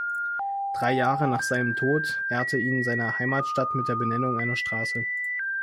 Drei Jahre nach seinem Tod ehrte ihn seine Heimatstadt mit der Benennung einer Straße.